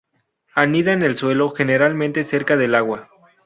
Anida en el suelo, generalmente cerca del agua.